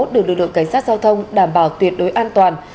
được lực lượng cảnh sát giao thông đảm bảo tuyệt đối an toàn